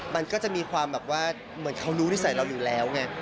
มันก็จะมีความแบบว่าเหมือนเขารู้นิสัยเราอยู่แล้วไง